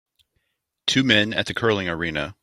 Two men at the curling arena.